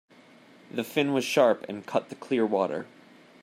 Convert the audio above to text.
The fin was sharp and cut the clear water.